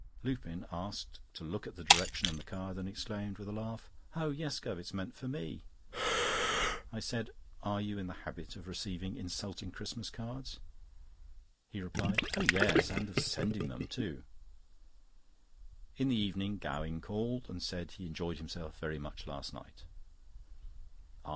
Lupin asked to look at the direction and the card, and exclaimed, with a laugh: "Oh yes, Guv., it's meant for me." I said: "Are you in the habit of receiving insulting Christmas cards?" He replied: "Oh yes, and of sending them, too." In the evening Gowing called, and said he enjoyed himself very much last night.